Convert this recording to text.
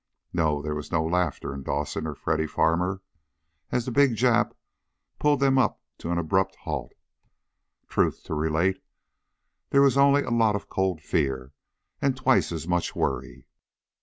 No, there was no laughter in Dawson, or Freddy Farmer, as the big Jap pulled them up to an abrupt halt. Truth to relate, there was only a lot of cold fear, and twice as much worry.